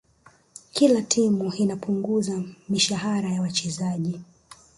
kila timu inapunguza mishahara ya wachezaji